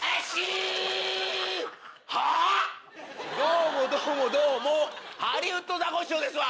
どうもどうもどうもハリウッドザコシショウですわ。